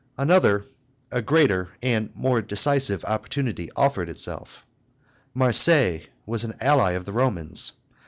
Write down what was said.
Another, a greater and more decisive opportunity offered itself. Marseilles was an ally of the Romans.